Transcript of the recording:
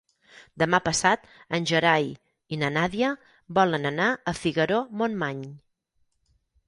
Demà passat en Gerai i na Nàdia volen anar a Figaró-Montmany.